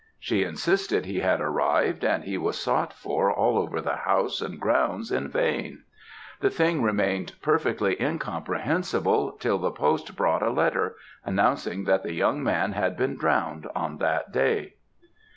She insisted he had arrived, and he was sought for all over the house and grounds in vain. The thing remained perfectly incomprehensible, till the post brought a letter, announcing that the young man had been drowned on that day.